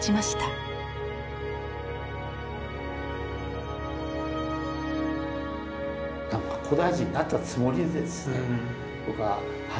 何か古代人になったつもりでですね